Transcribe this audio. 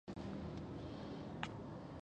ډېر پخوا چي نه موټر او نه سایکل وو